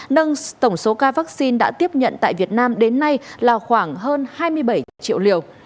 nâng tổng số ca vaccine đã tiếp nhận tại việt nam đến nay là khoảng hơn hai mươi bảy triệu liều